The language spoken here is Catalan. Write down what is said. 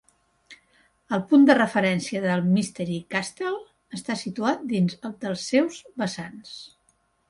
El punt de referència del Mystery Castle està situat dins dels seus vessants.